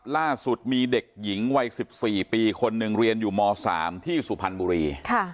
ล่าสุดมีเด็กหญิงวัย๑๔ปีคนหนึ่งเรียนอยู่ม๓ที่สุพรรณบุรี